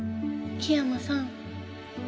檜山さん